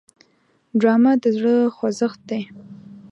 ډرامه د زړه خوځښت دی